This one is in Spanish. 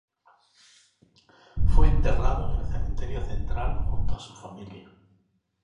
Fue enterrado en el Cementerio Central junto a su familia.